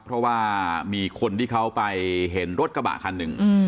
เพราะว่ามีคนที่เขาไปเห็นรถกระบะคันหนึ่ง